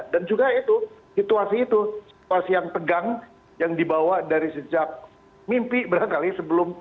dan juga itu situasi itu situasi yang pegang yang dibawa dari sejak mimpi berkali kali sebelum